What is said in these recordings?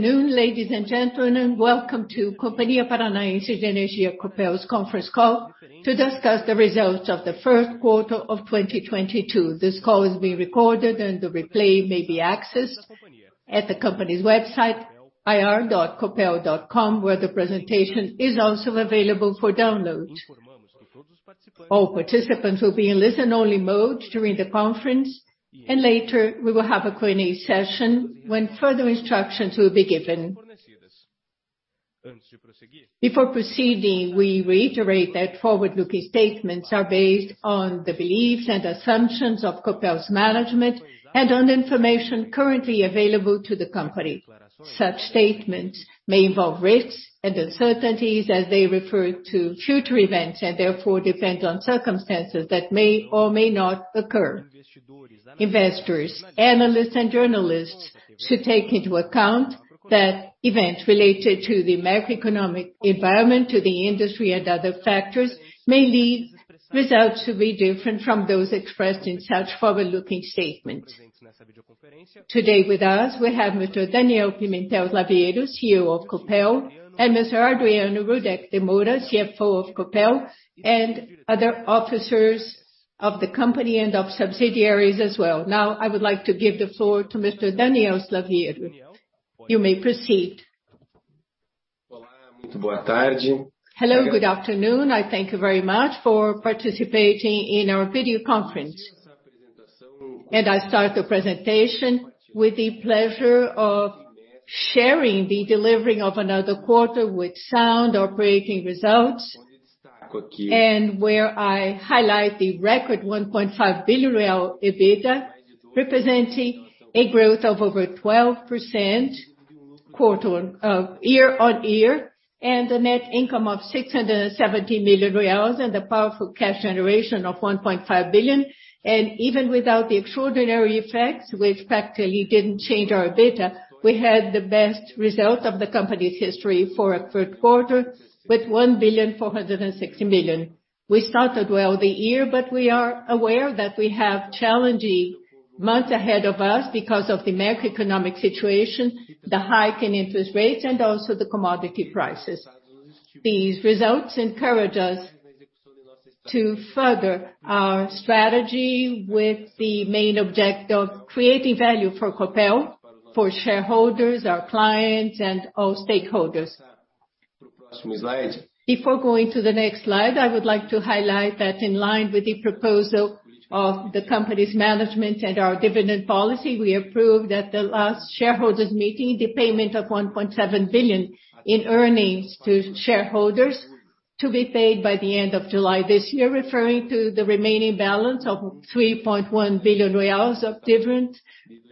Good afternoon, ladies and gentlemen. Welcome to Companhia Paranaense de Energia, Copel's conference call to discuss the results of the first quarter of 2022. This call is being recorded and the replay may be accessed at the company's website, ir.copel.com, where the presentation is also available for download. All participants will be in listen only mode during the conference, and later, we will have a Q&A session when further instructions will be given. Before proceeding, we reiterate that forward-looking statements are based on the beliefs and assumptions of Copel's management and on information currently available to the company. Such statements may involve risks and uncertainties as they refer to future events, and therefore depend on circumstances that may or may not occur. Investors, analysts, and journalists should take into account that events related to the macroeconomic environment, to the industry and other factors may lead results to be different from those expressed in such forward-looking statements. Today with us, we have Mr. Daniel Pimentel Slaviero, CEO of Copel, and Mr. Adriano Rudek de Moura, CFO of Copel, and other officers of the company and of subsidiaries as well. Now, I would like to give the floor to Mr. Daniel Slaviero. You may proceed. Hello, good afternoon. I thank you very much for participating in our video conference. I start the presentation with the pleasure of sharing the delivering of another quarter with sound operating results, and where I highlight the record 1.5 billion real EBITDA, representing a growth of over 12% quarter-over-year, and a net income of 670 million reais and a powerful cash generation of 1.5 billion. Even without the extraordinary effects, which practically didn't change our data, we had the best result of the company's history for a third quarter with 1.46 billion. We started well the year, but we are aware that we have challenging months ahead of us because of the macroeconomic situation, the hike in interest rates, and also the commodity prices. These results encourage us to further our strategy with the main object of creating value for Copel, for shareholders, our clients, and all stakeholders. Before going to the next slide, I would like to highlight that in line with the proposal of the company's management and our dividend policy, we approved at the last shareholders meeting the payment of 1.7 billion in earnings to shareholders to be paid by the end of July this year, referring to the remaining balance of BRL 3.1 billion of dividend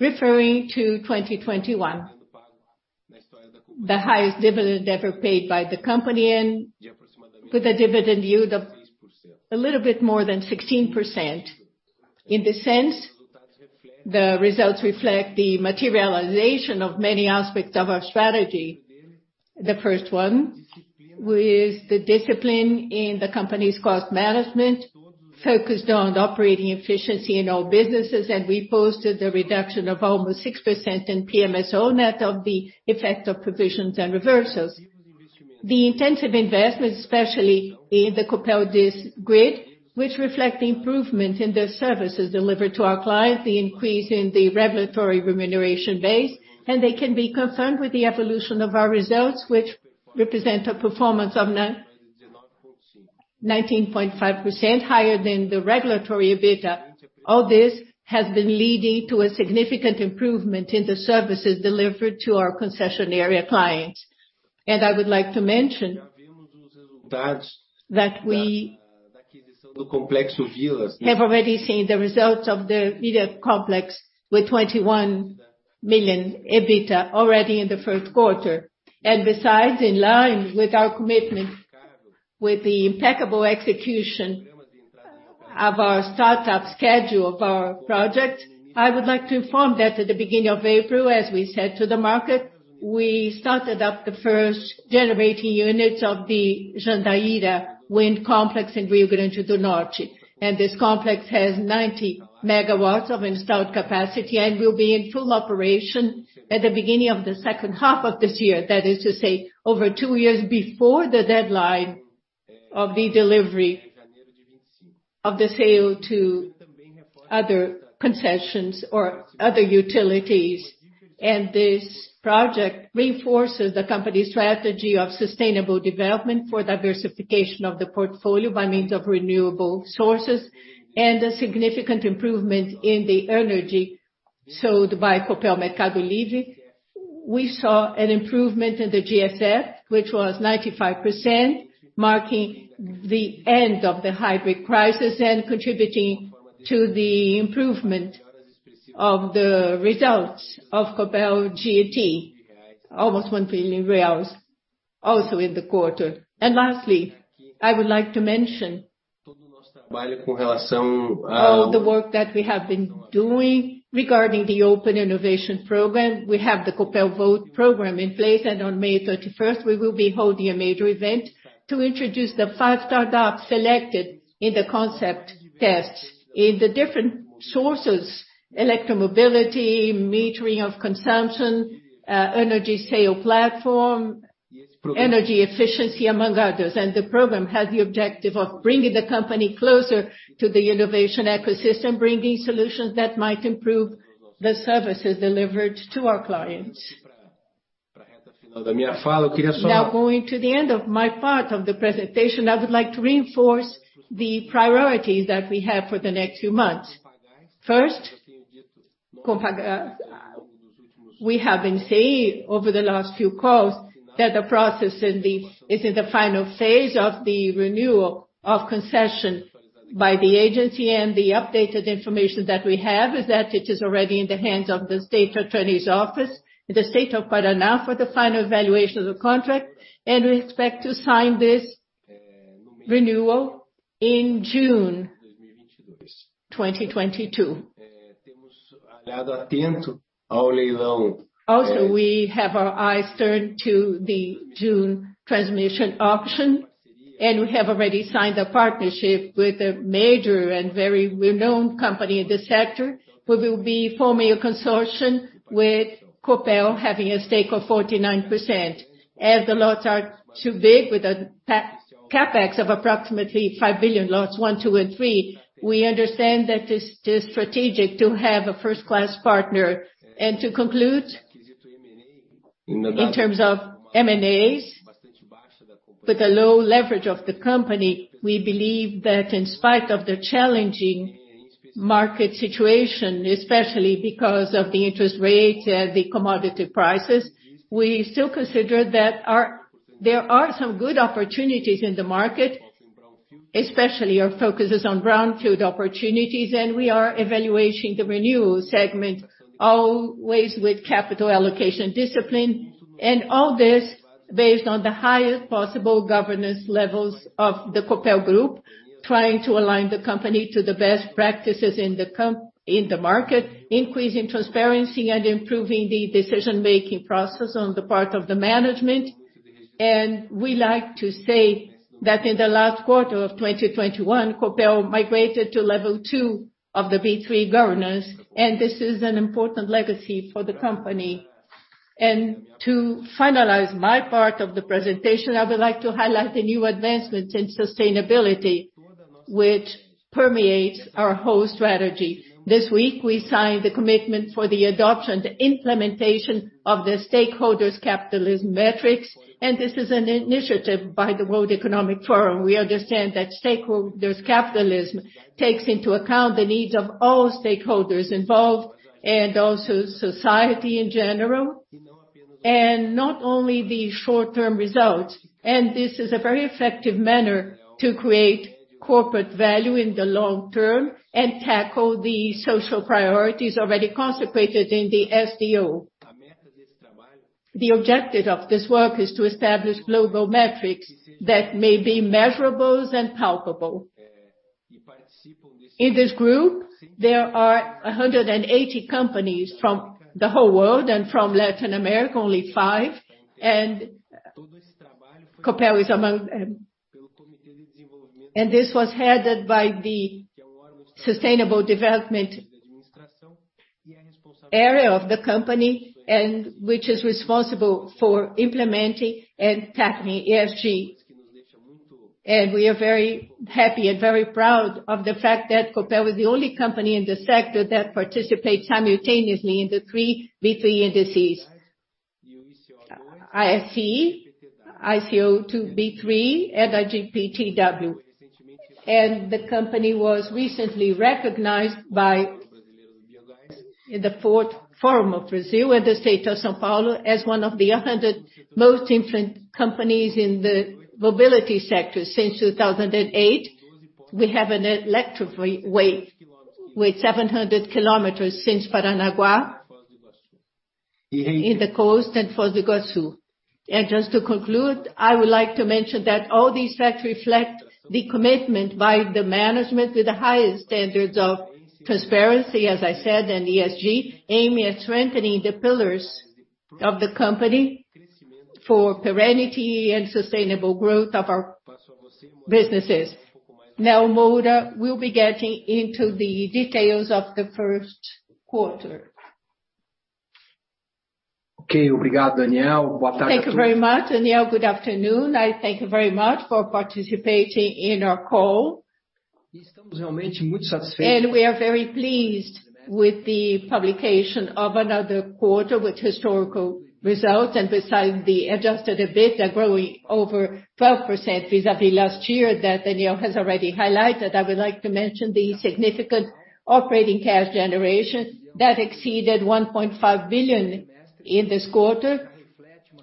referring to 2021. The highest dividend ever paid by the company and with a dividend yield of a little bit more than 16%. In this sense, the results reflect the materialization of many aspects of our strategy. The first one with the discipline in the company's cost management focused on operating efficiency in all businesses, and we posted a reduction of almost 6% in PMSO net of the effect of provisions and reversals. The intensive investments, especially in the Copel DIS grid, which reflect the improvement in the services delivered to our clients, the increase in the regulatory remuneration base, and they can be confirmed with the evolution of our results, which represent a performance of 19.5% higher than the regulatory EBITDA. All this has been leading to a significant improvement in the services delivered to our concession area clients. I would like to mention that we have already seen the results of the Vilas Wind Complex with 21 million EBITDA already in the first quarter. Besides, in line with our commitment with the impeccable execution of our startup schedule of our project, I would like to inform that at the beginning of April, as we said to the market, we started up the first generating units of the Jandaíra Wind Complex in Rio Grande do Norte. This complex has 90 MW of installed capacity and will be in full operation at the beginning of the second half of this year. That is to say, over two years before the deadline of the delivery of the sale to other concessions or other utilities. This project reinforces the company's strategy of sustainable development for diversification of the portfolio by means of renewable sources and a significant improvement in the energy sold by Copel Mercado Livre. We saw an improvement in the GSF, which was 95%, marking the end of the hybrid crisis and contributing to the improvement of the results of Copel G&T, almost 1 billion reais also in the quarter. Lastly, I would like to mention all the work that we have been doing regarding the open innovation program. We have the Copel Volt in place, and on May 31, we will be holding a major event to introduce the 5 startups selected in the concept tests in the different sources, electromobility, metering of consumption, energy sale platform, energy efficiency among others. The program has the objective of bringing the company closer to the innovation ecosystem, bringing solutions that might improve the services delivered to our clients. Now going to the end of my part of the presentation, I would like to reinforce the priorities that we have for the next few months. First, we have been saying over the last few calls that the process is in the final phase of the renewal of concession by the agency. The updated information that we have is that it is already in the hands of the State Attorney's office in the state of Paraná for the final evaluation of the contract. We expect to sign this renewal in June 2022. Also, we have our eyes turned to the June transmission auction, and we have already signed a partnership with a major and very renowned company in the sector. We will be forming a consortium with Copel, having a stake of 49%. As the lots are too big, with a CapEx of approximately 5 billion lots 1, 2, and 3, we understand that it is strategic to have a first-class partner. To conclude, in terms of M&As, with the low leverage of the company, we believe that in spite of the challenging market situation, especially because of the interest rate and the commodity prices, we still consider there are some good opportunities in the market. Especially, our focus is on brownfield opportunities, and we are evaluating the renewable segment always with capital allocation discipline. All this based on the highest possible governance levels of the Copel Group, trying to align the company to the best practices in the market, increasing transparency and improving the decision-making process on the part of the management. We like to say that in the last quarter of 2021, Copel migrated to level two of the B3 governance, and this is an important legacy for the company. To finalize my part of the presentation, I would like to highlight the new advancements in sustainability, which permeates our whole strategy. This week, we signed the commitment for the adoption, the implementation of the stakeholder capitalism metrics, and this is an initiative by the World Economic Forum. We understand that stakeholder capitalism takes into account the needs of all stakeholders involved and also society in general, and not only the short-term results. This is a very effective manner to create corporate value in the long term and tackle the social priorities already consecrated in the SDGs. The objective of this work is to establish global metrics that may be measurable and palpable. In this group, there are 180 companies from the whole world and from Latin America, only five, and Copel is among them. This was headed by the Sustainable Development area of the company and which is responsible for implementing and tackling ESG. We are very happy and very proud of the fact that Copel was the only company in the sector that participates simultaneously in the three B3 indices, ISE, ICO2 B3, and GPTW B3. The company was recently recognized by the Fourth Forum of Brazil and the State of São Paulo as one of the 100 most important companies in the mobility sector since 2008. We have an electric railway with 700 km from Paranaguá on the coast to Foz do Iguaçu. Just to conclude, I would like to mention that all these facts reflect the commitment by the management to the highest standards of transparency, as I said, and ESG, aiming at strengthening the pillars of the company for serenity and sustainable growth of our businesses. Now Moura will be getting into the details of the first quarter. Okay. Thank you very much, Daniel. Good afternoon. I thank you very much for participating in our call. We are very pleased with the publication of another quarter with historical results. Besides the adjusted EBITDA growing over 12% vis-à-vis last year that Daniel has already highlighted, I would like to mention the significant operating cash generation that exceeded 1.5 billion in this quarter,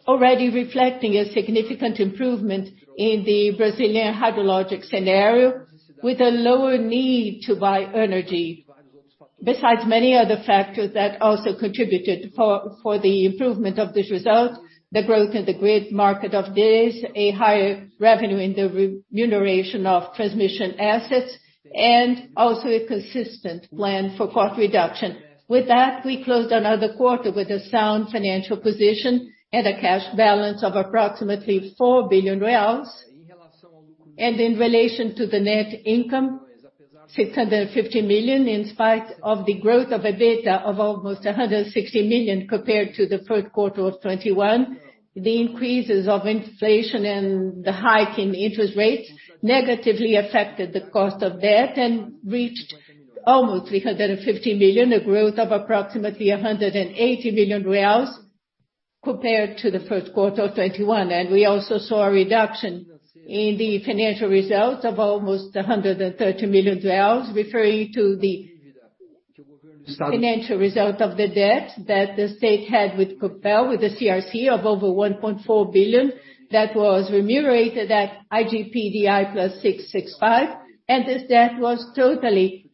already reflecting a significant improvement in the Brazilian hydrologic scenario with a lower need to buy energy, besides many other factors that also contributed for the improvement of this result, the growth in the grid market of DIS, a higher revenue in the remuneration of transmission assets, and also a consistent plan for cost reduction. With that, we closed another quarter with a sound financial position and a cash balance of approximately 4 billion reais. In relation to the net income, 650 million, in spite of the growth of EBITDA of almost 160 million compared to the first quarter of 2021. The increases of inflation and the hike in interest rates negatively affected the cost of debt and reached almost 350 million, a growth of approximately 180 million reais compared to the first quarter of 2021. We also saw a reduction in the financial results of almost BRL 130 million, referring to the financial result of the debt that the state had with Copel, with the CRC of over 1.4 billion that was remunerated at IGP-DI plus 6.65. This debt was totally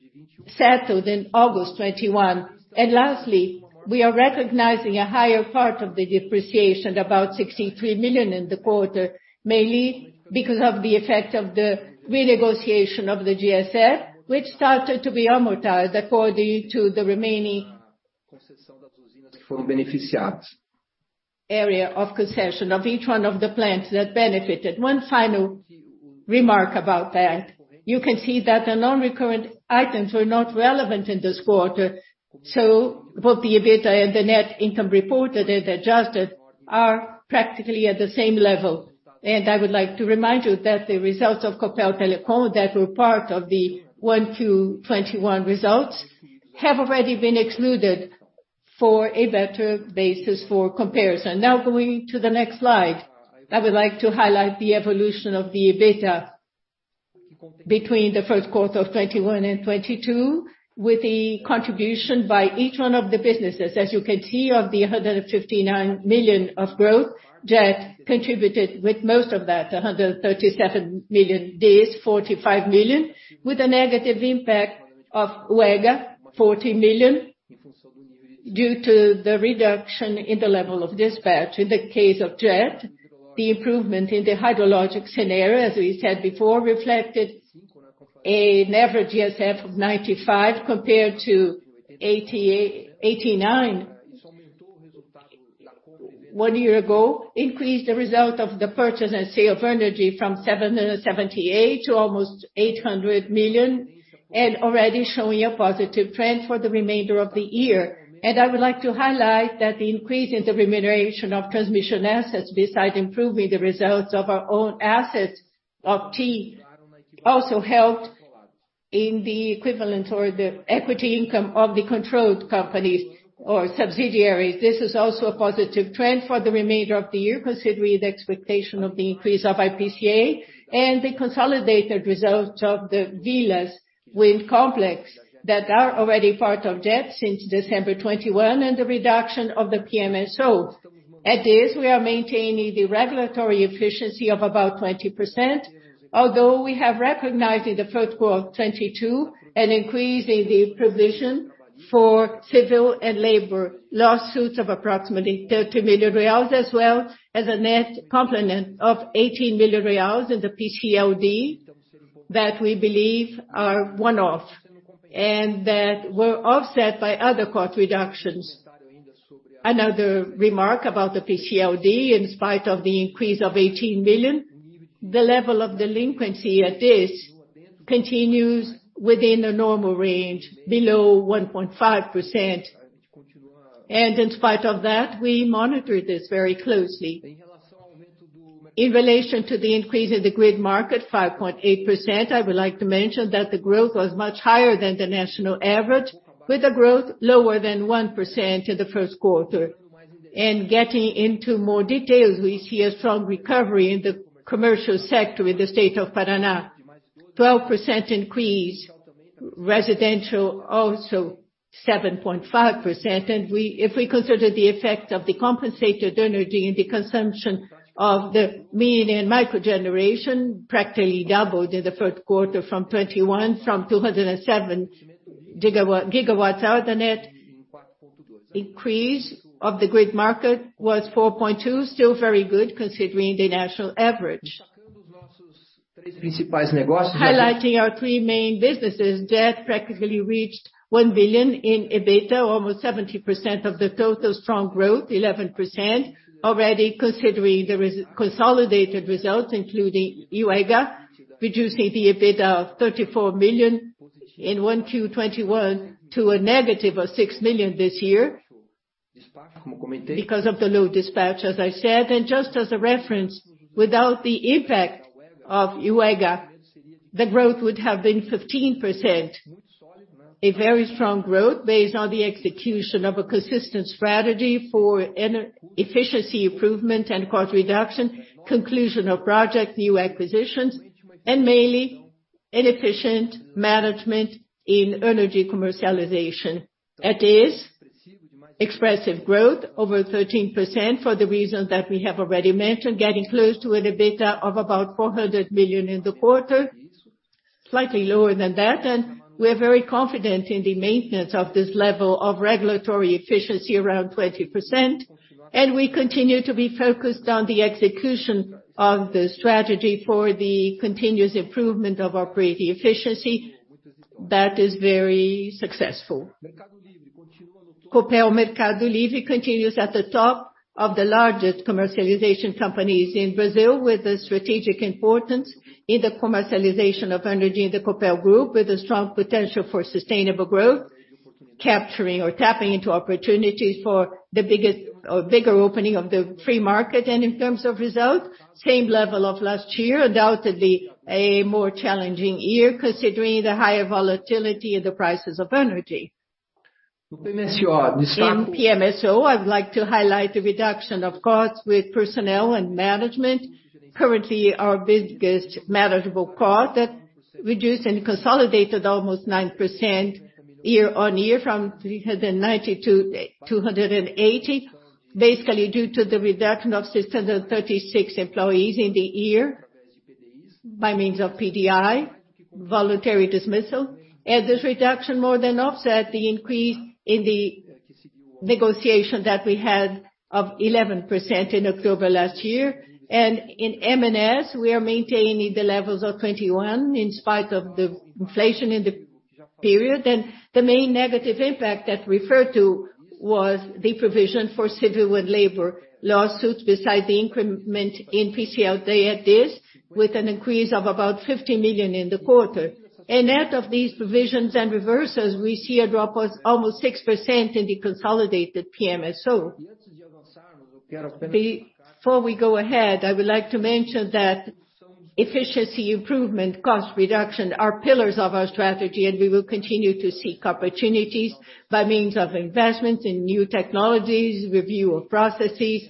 settled in August 2021. Lastly, we are recognizing a higher part of the depreciation, about 63 million in the quarter, mainly because of the effect of the renegotiation of the GSF, which started to be amortized according to the remaining area of concession of each one of the plants that benefited. One final remark about that. You can see that the non-recurrent items were not relevant in this quarter, so both the EBITDA and the net income reported and adjusted are practically at the same level. I would like to remind you that the results of Copel Telecom that were part of the 1Q 2021 results have already been excluded for a better basis for comparison. Now going to the next slide. I would like to highlight the evolution of the EBITDA between the first quarter of 2021 and 2022 with the contribution by each one of the businesses. As you can see, of the 159 million of growth, GET contributed with most of that, 137 million. DIS, 45 million, with a negative impact of UEGA, 40 million, due to the reduction in the level of dispatch. In the case of GET, the improvement in the hydrologic scenario, as we said before, reflected a net GSF of 95 compared to 89 one year ago, increased the result of the purchase and sale of energy from 778 million to almost 800 million, and already showing a positive trend for the remainder of the year. I would like to highlight that the increase in the remuneration of transmission assets, besides improving the results of our own assets of GeT, also helped in the equivalent or the equity income of the controlled companies or subsidiaries. This is also a positive trend for the remainder of the year, considering the expectation of the increase of IPCA and the consolidated results of the Vilas Wind Complex that are already part of GeT since December 2021 and the reduction of the PMSO. At this, we are maintaining the regulatory efficiency of about 20%, although we have recognized in the first quarter of 2022 an increase in the provision for civil and labor lawsuits of approximately 30 million reais, as well as a net complement of 18 million reais in the PCLD that we believe are one-off and that were offset by other cost reductions. Another remark about the PCLD, in spite of the increase of 18 million, the level of delinquency at this continues within the normal range, below 1.5%. In spite of that, we monitor this very closely. In relation to the increase in the grid market, 5.8%, I would like to mention that the growth was much higher than the national average, with a growth lower than 1% in the first quarter. Getting into more details, we see a strong recovery in the commercial sector in the state of Paraná. 12% increase. Residential also 7.5%. If we consider the effect of the compensated energy and the consumption of the medium and micro generation practically doubled in the third quarter from 2021, from 207 GWh, the net increase of the grid market was 4.2, still very good considering the national average. Highlighting our three main businesses, GeT practically reached 1 billion in EBITDA, almost 70% of the total strong growth, 11%, already considering the consolidated results, including UEGA, reducing the EBITDA of 34 million in 1Q 2021 to a negative of 6 million this year because of the low dispatch, as I said. Just as a reference, without the impact of UEGA, the growth would have been 15%. A very strong growth based on the execution of a consistent strategy for energy efficiency improvement and cost reduction, conclusion of project, new acquisitions, and mainly efficient management in energy commercialization. With this, expressive growth over 13% for the reasons that we have already mentioned, getting close to an EBITDA of about 400 million in the quarter, slightly lower than that. We're very confident in the maintenance of this level of regulatory efficiency around 20%. We continue to be focused on the execution of the strategy for the continuous improvement of operating efficiency. That is very successful. Copel Mercado Livre continues at the top of the largest commercialization companies in Brazil, with a strategic importance in the commercialization of energy in the Copel Group, with a strong potential for sustainable growth, capturing or tapping into opportunities for the bigger opening of the free market. In terms of results, same level of last year, undoubtedly a more challenging year considering the higher volatility in the prices of energy. In PMSO, I'd like to highlight the reduction of costs with personnel and management. Currently, our biggest manageable cost that reduced and consolidated almost 9% year-over-year from 390 to 280, basically due to the reduction of 636 employees in the year by means of PDI, voluntary dismissal. This reduction more than offset the increase in the negotiation that we had of 11% in October last year. In M&S, we are maintaining the levels of 21% in spite of the inflation in the period. The main negative impact that referred to was the provision for civil and labor lawsuits besides the increment in PCLD debt, this with an increase of about 50 million in the quarter. Out of these provisions and reverses, we see a drop of almost 6% in the consolidated PMSO. Before we go ahead, I would like to mention that efficiency improvement cost reduction are pillars of our strategy, and we will continue to seek opportunities by means of investments in new technologies, review of processes,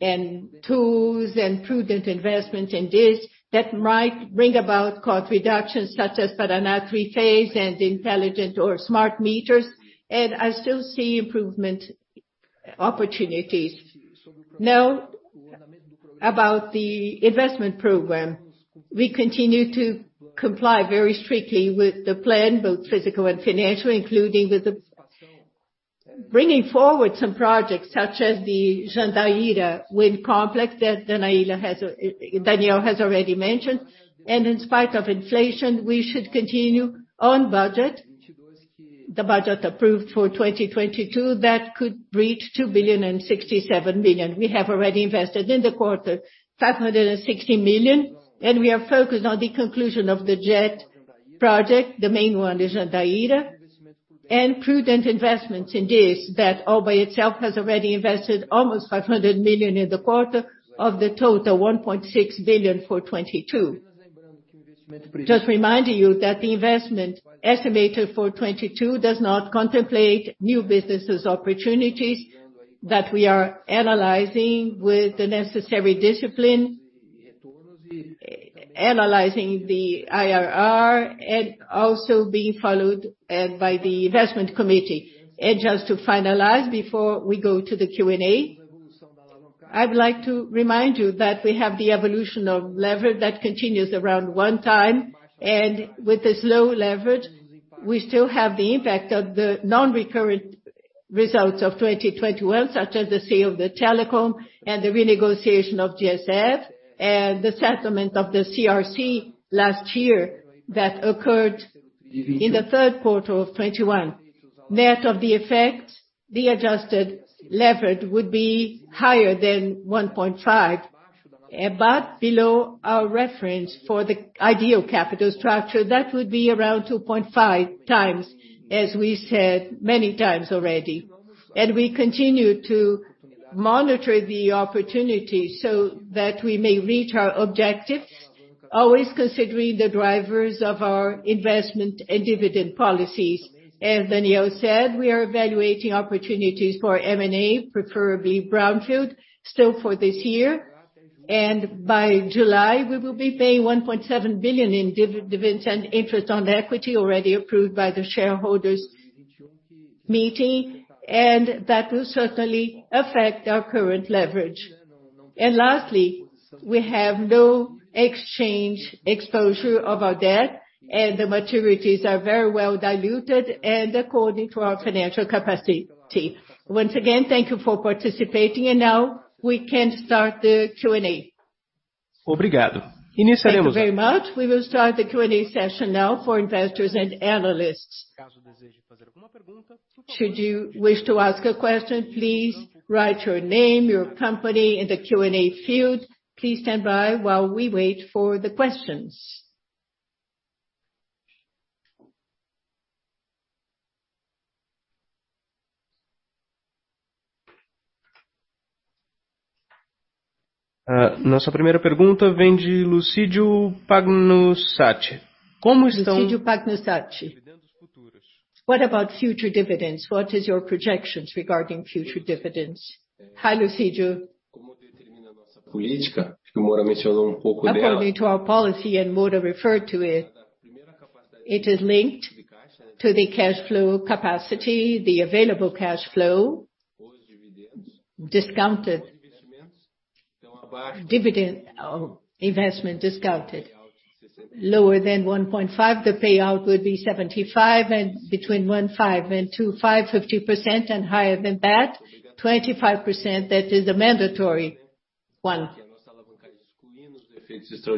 and tools, and prudent investments in this that might bring about cost reductions such as Paraná three-phase and intelligent or smart meters. I still see improvement opportunities. Now, about the investment program. We continue to comply very strictly with the plan, both physical and financial, including with the bringing forward some projects such as the Jandaíra Wind Complex that Daniel has already mentioned. In spite of inflation, we should continue on budget. The budget approved for 2022 that could reach 2.067 billion. We have already invested in the quarter 560 million, and we are focused on the conclusion of the GeT project. The main one is Jandaíra. Prudent investments in this, that all by itself has already invested almost 500 million in the quarter of the total 1.6 billion for 2022. Just reminding you that the investment estimated for 2022 does not contemplate new business opportunities that we are analyzing with the necessary discipline, analyzing the IRR and also being followed by the investment committee. Just to finalize before we go to the Q&A, I'd like to remind you that we have the evolution of leverage that continues around 1x. With this low leverage, we still have the impact of the non-recurrent results of 2021, such as the sale of the telecom and the renegotiation of GSF and the settlement of the CRC last year that occurred in the third quarter of 2021. Net of the effects, the adjusted leverage would be higher than 1.5, but below our reference for the ideal capital structure, that would be around 2.5 times, as we said many times already. We continue to monitor the opportunity so that we may reach our objectives, always considering the drivers of our investment and dividend policies. As Daniel said, we are evaluating opportunities for M&A, preferably brownfield, still for this year. By July, we will be paying 1.7 billion in dividends and interest on equity already approved by the shareholders' meeting, and that will certainly affect our current leverage. Lastly, we have no exchange exposure of our debt, and the maturities are very well diluted and according to our financial capacity. Once again, thank you for participating. Now we can start the Q&A. Thank you very much. We will start the Q&A session now for investors and analysts. Should you wish to ask a question, please write your name, your company in the Q&A field. Please stand by while we wait for the questions. Our first question comes from Lucidio Pagnusati. Lucidio Pagnusati. What about future dividends? What is your projections regarding future dividends? Hi, Lucidio. According to our policy, and Maura referred to it is linked to the cash flow capacity, the available cash flow, discounted. Dividend, investment discounted lower than 1.5, the payout would be 75%, and between 1.5 and 2.5, 50%, and higher than that, 25%. That is a mandatory one.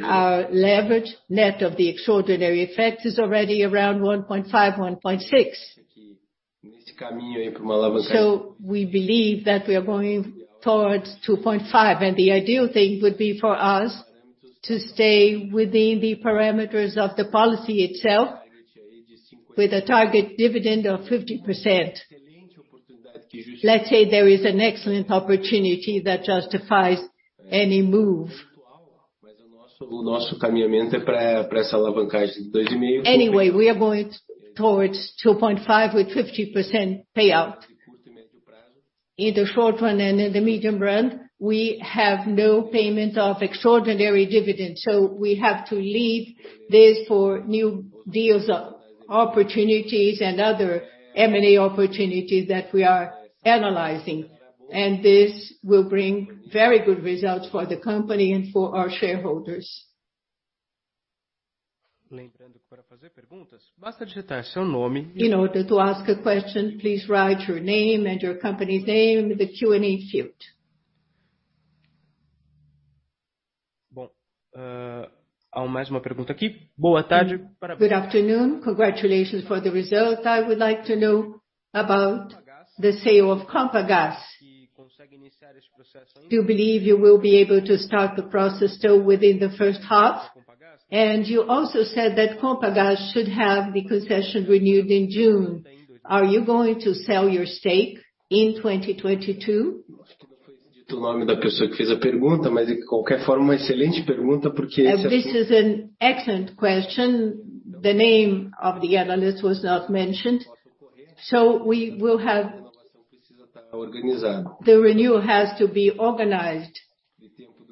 Our leverage net of the extraordinary effects is already around 1.5, 1.6. We believe that we are going towards 2.5, and the ideal thing would be for us to stay within the parameters of the policy itself with a target dividend of 50%. Let's say there is an excellent opportunity that justifies any move. Anyway, we are going towards 2.5 with 50% payout. In the short run and in the medium run, we have no payment of extraordinary dividends, so we have to leave this for new deals, opportunities and other M&A opportunities that we are analyzing. This will bring very good results for the company and for our shareholders. In order to ask a question, please write your name and your company name in the Q&A field. Good afternoon. Congratulations for the result. I would like to know about the sale of Companhia paranaense paranaense de Gás. Do you believe you will be able to start the process still within the first half? You also said that Companhia Paranaense de Gás should have the concession renewed in June. Are you going to sell your stake in 2022? This is an excellent question. The name of the analyst was not mentioned. The renewal has to be organized.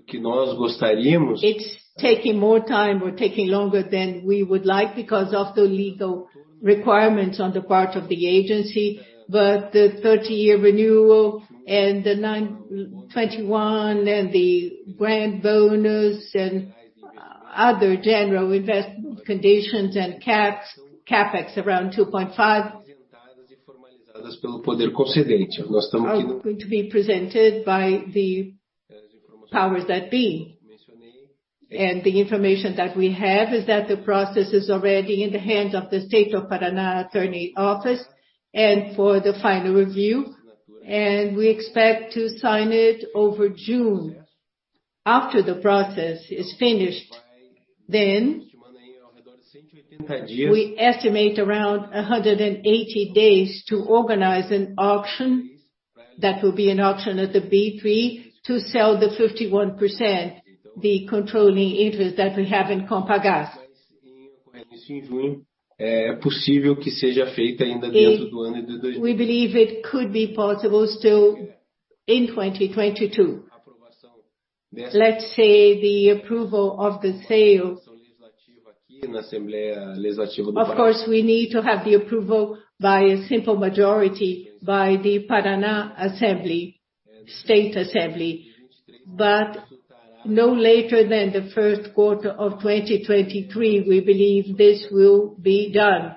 It's taking more time or taking longer than we would like because of the legal requirements on the part of the agency. The 30-year renewal and the 21 and the grant bonus and other general investment conditions and caps, CapEx around 2.5 are going to be presented by the powers that be. The information that we have is that the process is already in the hands of the state of Paraná attorney's office for the final review, and we expect to sign it in June. After the process is finished, then we estimate around 180 days to organize an auction. That will be an auction at the B3 to sell the 51%, the controlling interest that we have in Companhia Paranaense de Gás. We believe it could be possible still in 2022. Let's say the approval of the sale. Of course, we need to have the approval by a simple majority by the Paraná Assembly, State Assembly. No later than the first quarter of 2023, we believe this will be done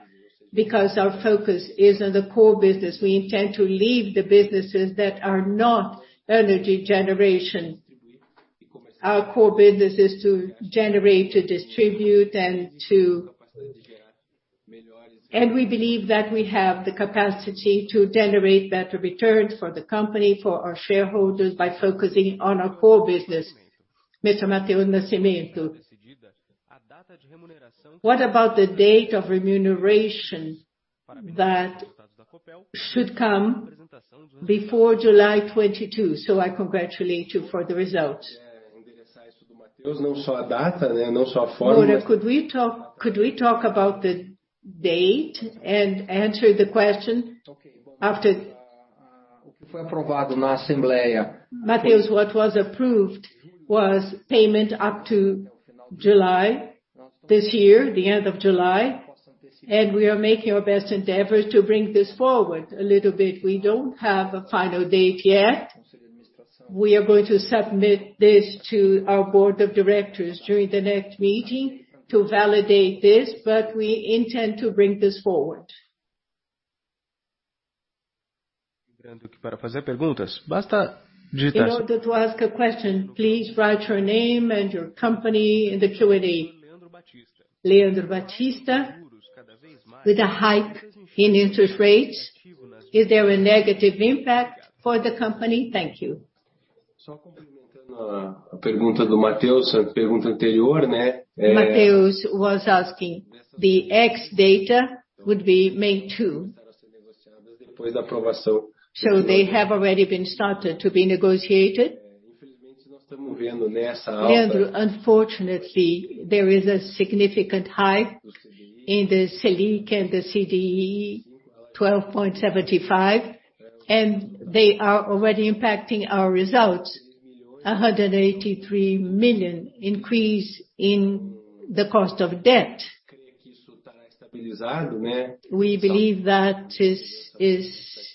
because our focus is on the core business. We intend to leave the businesses that are not energy generation. Our core business is to generate, to distribute. We believe that we have the capacity to generate better returns for the company, for our shareholders by focusing on our core business. Mr. Mateus Nascimento, what about the date of remuneration that should come before July 2022? I congratulate you for the results. Moura, could we talk about the date and answer the question after? Mateus, what was approved was payment up to July this year, the end of July, and we are making our best endeavors to bring this forward a little bit. We don't have a final date yet. We are going to submit this to our board of directors during the next meeting to validate this, but we intend to bring this forward. In order to ask a question, please write your name and your company in the Q&A. Leandro Batista, with a hike in interest rates, is there a negative impact for the company? Thank you. Mateus was asking the ex-date would be May 2. They have already started to be negotiated. Leandro, unfortunately, there is a significant hike in the Selic and the CDI 12.75%, and they are already impacting our results. 183 million increase in the cost of debt. We believe that this is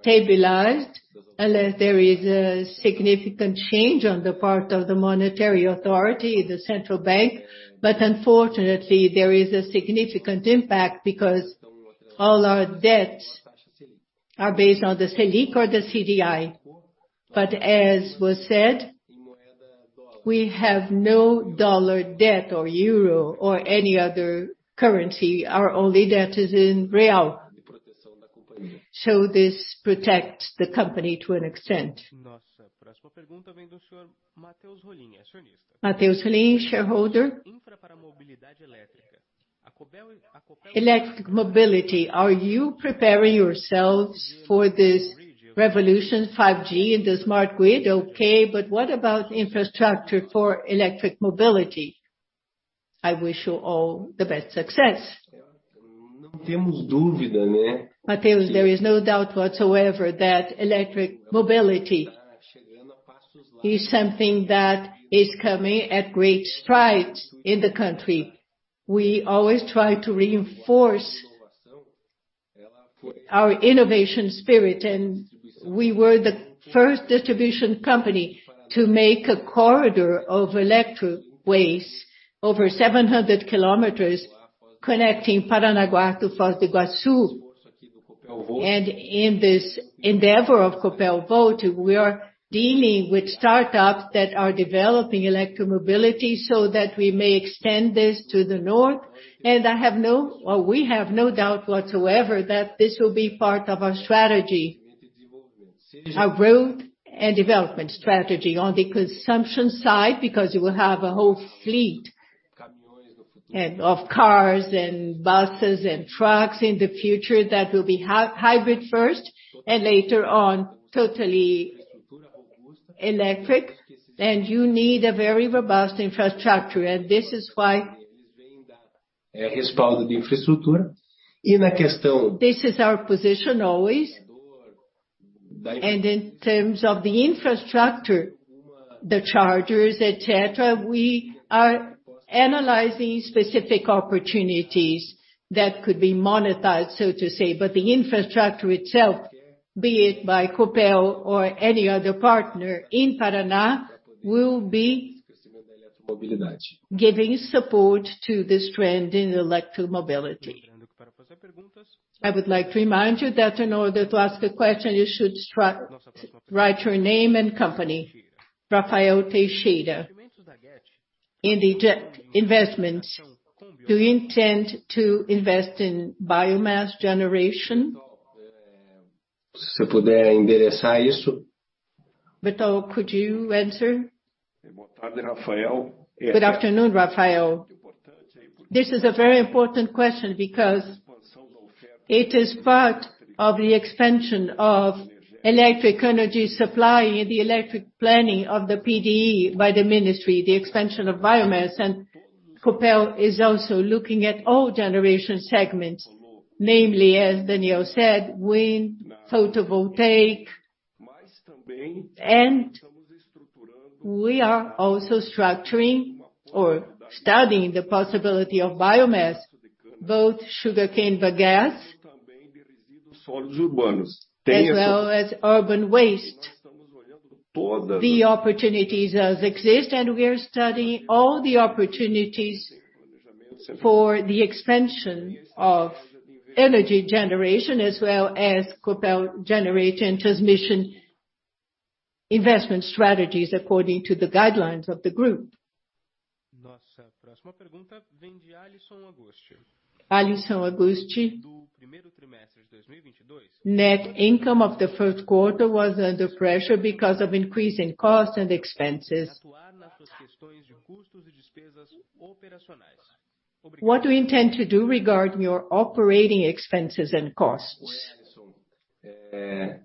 stabilized unless there is a significant change on the part of the monetary authority, the central bank. Unfortunately, there is a significant impact because all our debt are based on the Selic or the CDI. As was said, we have no dollar debt or euro or any other currency. Our only debt is in real. This protects the company to an extent. Matheus Lyu, shareholder. Electric mobility. Are you preparing yourselves for this revolution, 5G and the smart grid? Okay, but what about infrastructure for electric mobility? I wish you all the best success. Matheus, there is no doubt whatsoever that electric mobility is something that is coming at great strides in the country. We always try to reinforce our innovation spirit, and we were the first distribution company to make a corridor of electroways over 700 kilometers connecting Paranaguá to Foz do Iguaçu. In this endeavor of Copel Volt, we are dealing with startups that are developing electromobility so that we may extend this to the north. Or we have no doubt whatsoever that this will be part of our strategy, our road and development strategy on the consumption side, because you will have a whole fleet of cars and buses and trucks in the future that will be hybrid first and later on, totally electric. You need a very robust infrastructure. This is why. This is our position always. In terms of the infrastructure, the chargers, et cetera, we are analyzing specific opportunities that could be monetized, so to say. The infrastructure itself, be it by Copel or any other partner in Paraná, will be giving support to this trend in electromobility. I would like to remind you that in order to ask a question, you should write your name and company. Rafael Teixeira. In the CapEx investments, do you intend to invest in biomass generation? Bertol, could you answer? Good afternoon, Rafael. Good afternoon, Rafael. This is a very important question because it is part of the expansion of electric energy supply and the electric planning of the PDE by the ministry, the expansion of biomass. Copel is also looking at all generation segments, namely, as Daniel said, wind, photovoltaic. We are also structuring or studying the possibility of biomass, both sugarcane bagasse, as well as urban waste. The opportunities does exist, and we are studying all the opportunities for the expansion of energy generation, as well as Copel Geração e Transmissão investment strategies according to the guidelines of the group. Alyson Tostes. Net income of the first quarter was under pressure because of increase in costs and expenses. What do you intend to do regarding your operating expenses and costs? Alison,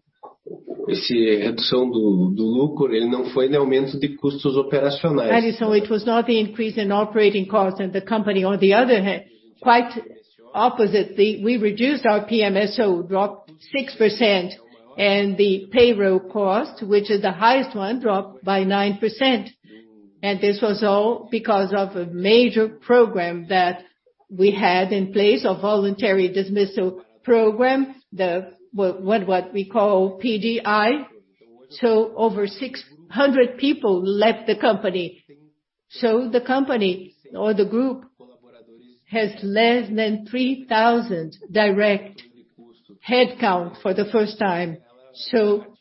it was not the increase in operating costs in the company. On the other hand, quite oppositely, we reduced our PMSO, dropped 6%, and the payroll cost, which is the highest one, dropped by 9%. This was all because of a major program that we had in place, a voluntary dismissal program, what we call PDI. Over 600 people left the company. The company or the group has less than 3,000 direct headcount for the first time.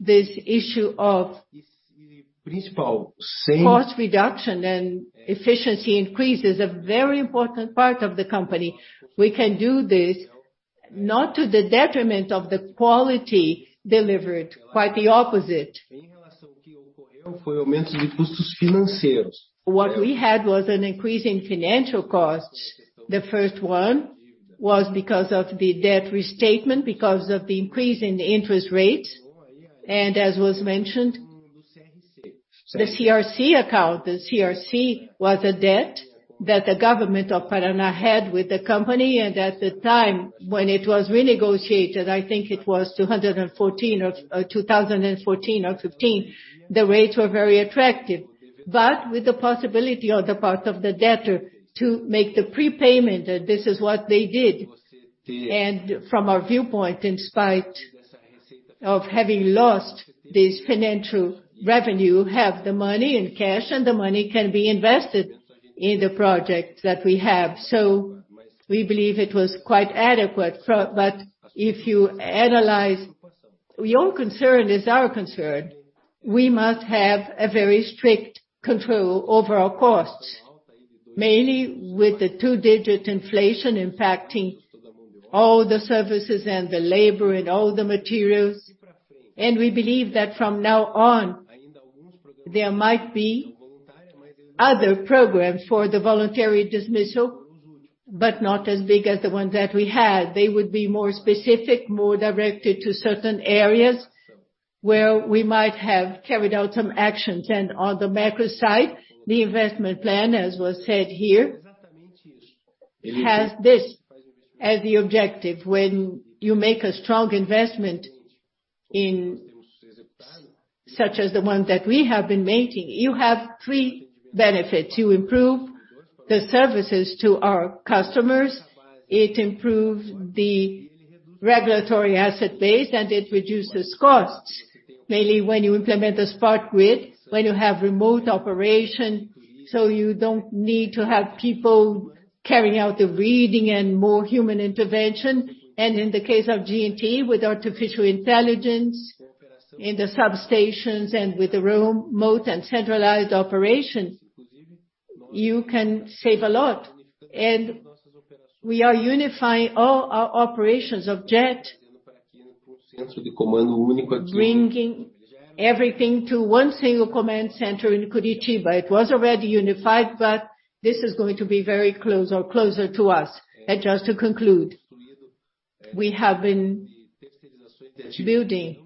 This issue of cost reduction and efficiency increase is a very important part of the company. We can do this not to the detriment of the quality delivered, quite the opposite. What we had was an increase in financial costs. The first one was because of the debt restatement, because of the increase in the interest rates. As was mentioned, the CRC account. The CRC was a debt that the government of Paraná had with the company. At the time when it was renegotiated, I think it was 2014 or 2015, the rates were very attractive. With the possibility on the part of the debtor to make the prepayment, and this is what they did. From our viewpoint, in spite of having lost this financial revenue, have the money in cash, and the money can be invested in the project that we have. We believe it was quite adequate from. If you analyze, your concern is our concern. We must have a very strict control over our costs, mainly with the two-digit inflation impacting all the services and the labor and all the materials. We believe that from now on, there might be other programs for the voluntary dismissal, but not as big as the ones that we had. They would be more specific, more directed to certain areas where we might have carried out some actions. On the macro side, the investment plan, as was said here, has this as the objective. When you make a strong investment in, such as the ones that we have been making, you have three benefits. You improve the services to our customers, it improves the regulatory asset base, and it reduces costs, mainly when you implement a smart grid, when you have remote operation, so you don't need to have people carrying out the reading and more human intervention. In the case of G&T, with artificial intelligence in the substations and with the remote and centralized operation, you can save a lot. We are unifying all our operations of GeT, bringing everything to one single command center in Curitiba. It was already unified, but this is going to be very close or closer to us. Just to conclude, we have been building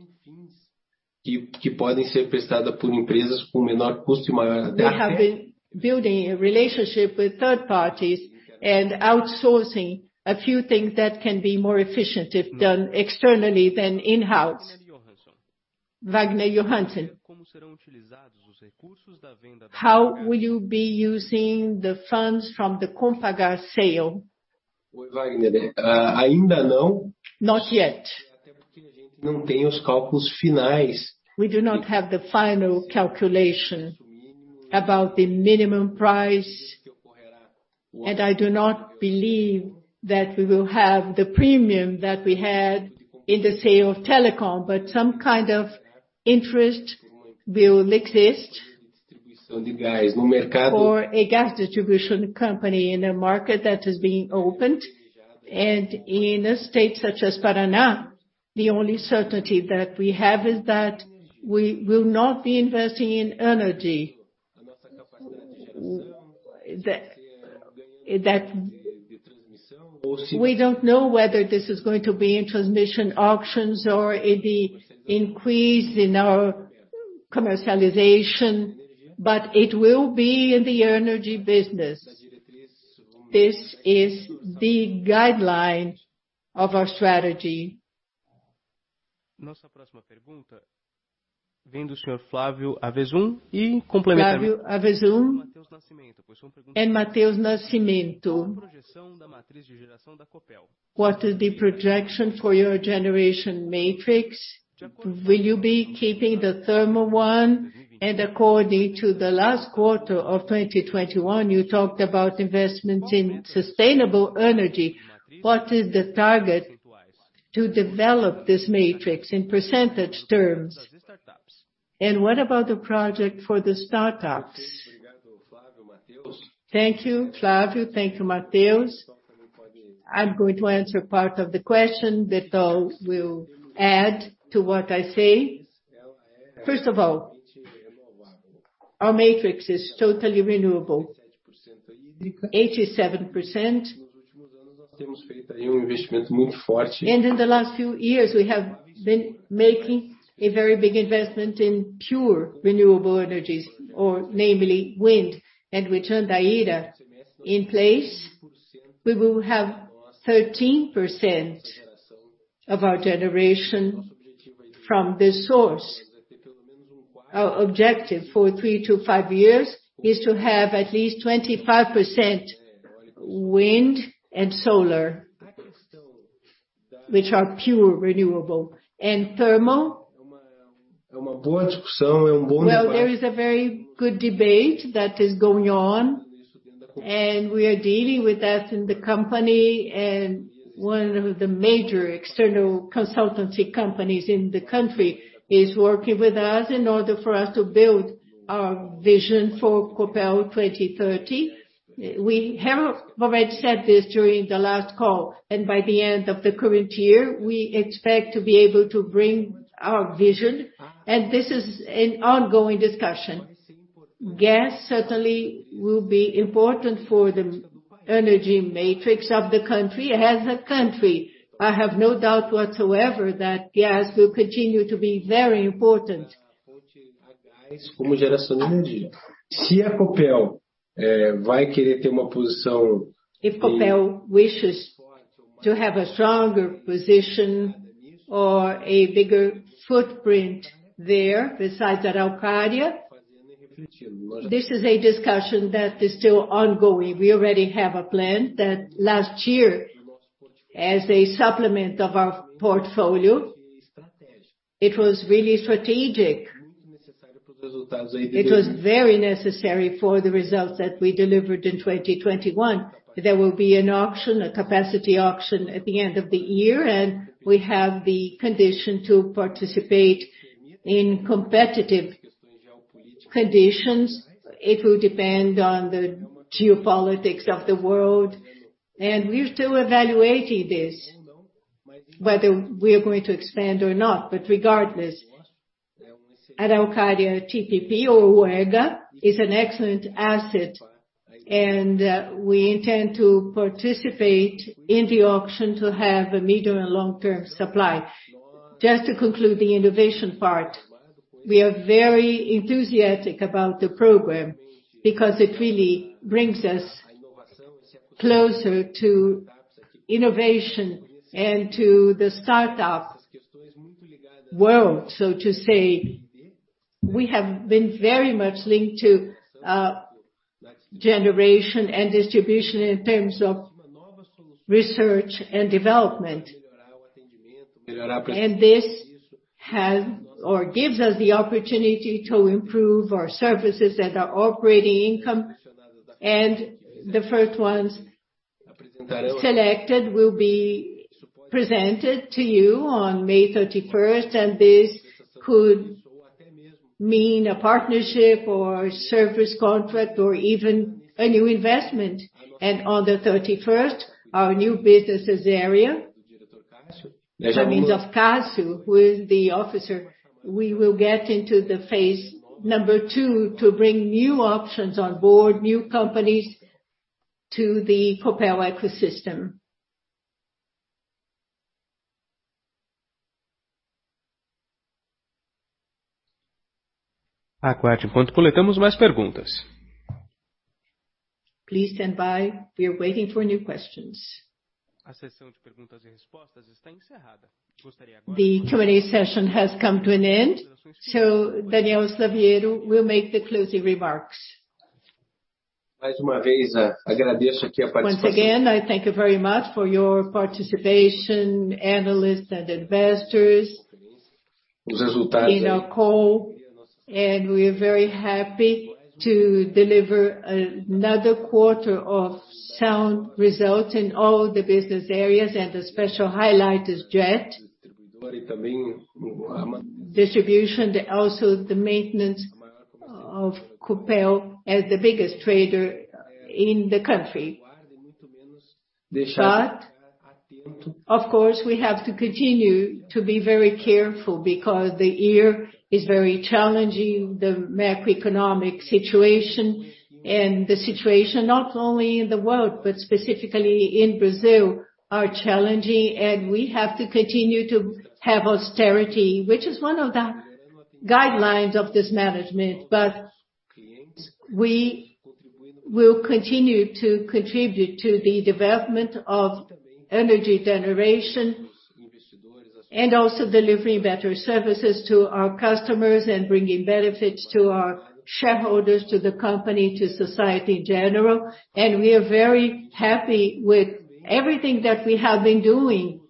a relationship with third parties and outsourcing a few things that can be more efficient if done externally than in-house. Wagner Johansson, how will you be using the funds from the Compagas sale? Not yet. We do not have the final calculation about the minimum price, and I do not believe that we will have the premium that we had in the sale of Telecom, but some kind of interest will exist for a gas distribution company in a market that is being opened. In a state such as Paraná, the only certainty that we have is that we will not be investing in energy. That. We don't know whether this is going to be in transmission auctions or in the increase in our commercialization, but it will be in the energy business. This is the guideline of our strategy. Flavio Veles and Matheus Nascimento, what is the projection for your generation matrix? Will you be keeping the thermal one? According to the last quarter of 2021, you talked about investments in sustainable energy. What is the target to develop this matrix in percentage terms? What about the project for the startups? Thank you, Flavio. Thank you, Matheus. I'm going to answer part of the question that will add to what I say. First of all, our matrix is totally renewable, 87%. In the last few years, we have been making a very big investment in pure renewable energies, or namely wind. With Jandaíra in place, we will have 13% of our generation from this source. Our objective for 3-5 years is to have at least 25% wind and solar, which are pure renewable. Thermal, well, there is a very good debate that is going on, and we are dealing with that in the company, and one of the major external consultancy companies in the country is working with us in order for us to build our vision for Copel 2030. We have already said this during the last call, and by the end of the current year, we expect to be able to bring our vision, and this is an ongoing discussion. Gas certainly will be important for the energy matrix of the country. As a country, I have no doubt whatsoever that gas will continue to be very important. If Copel wishes to have a stronger position or a bigger footprint there besides Araucária, this is a discussion that is still ongoing. We already have a plan that last year, as a supplement of our portfolio, it was really strategic. It was very necessary for the results that we delivered in 2021. There will be an auction, a capacity auction at the end of the year, and we have the condition to participate in competitive conditions. It will depend on the geopolitics of the world, and we're still evaluating this, whether we're going to expand or not. Regardless, at Araucária TPP or UEGA is an excellent asset, and we intend to participate in the auction to have a middle and long-term supply. Just to conclude the innovation part, we are very enthusiastic about the program because it really brings us closer to innovation and to the startup world, so to say. We have been very much linked to generation and distribution in terms of research and development. This has or gives us the opportunity to improve our services and our operating income. The first ones selected will be presented to you on May 31, and this could mean a partnership or service contract or even a new investment. On the 31st, our new businesses area, which means of Cássio, who is the officer, we will get into phase number 2 to bring new options on board, new companies to the Copel ecosystem. Please stand by. We are waiting for new questions. The Q&A session has come to an end. Daniel Slaviero will make the closing remarks. Once again, I thank you very much for your participation, analysts and investors, in our call. We're very happy to deliver another quarter of sound results in all the business areas, and a special highlight is Copel DIS. Distribution, also the maintenance of Copel as the biggest trader in the country. Of course, we have to continue to be very careful because the year is very challenging, the macroeconomic situation and the situation not only in the world, but specifically in Brazil, are challenging. We have to continue to have austerity, which is one of the guidelines of this management. We will continue to contribute to the development of energy generation and also delivering better services to our customers and bringing benefits to our shareholders, to the company, to society in general. We are very happy with everything that we have been doing.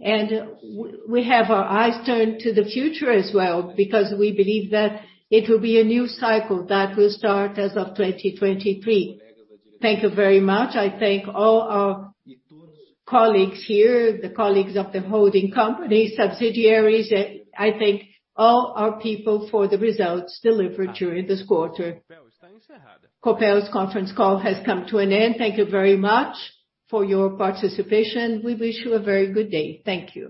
We have our eyes turned to the future as well because we believe that it will be a new cycle that will start as of 2023. Thank you very much. I thank all our colleagues here, the colleagues of the holding company subsidiaries. I thank all our people for the results delivered during this quarter. Copel's conference call has come to an end. Thank you very much for your participation. We wish you a very good day. Thank you.